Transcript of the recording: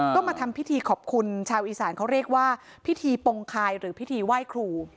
ก็มาทำพิธีขอบคุณชาวอีสานเขาเรียกว่าพิธีปงคายหรือพิธีไหว้ครู